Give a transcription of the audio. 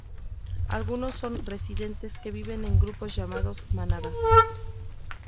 Algunos son "residentes" que viven en grupos llamados "manadas".